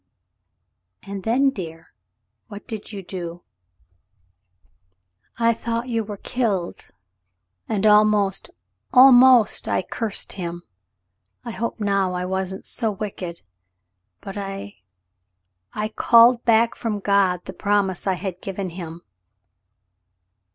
"And then, dear heart, what did you do ?"" I thought you were killed, and almost — almost I cursed him. I hope now I wasn't so wicked. But I — I — called back from God the promise I had given him."